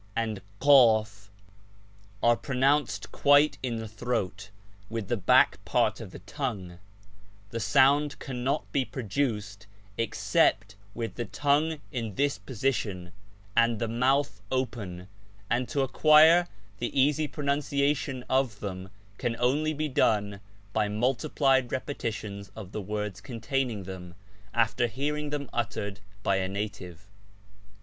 g, and j i are pro nounced quite in the throat, with the back part of the tongue ; the sound cannot be produced except with the tongue in this position, and the mouth open, and to acquire the easy pro nunciation of them can only be done by multiplied repetitions of the words containing them, after hearing them uttered by a native.